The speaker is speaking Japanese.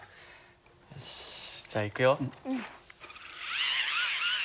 よしじゃあいくよ。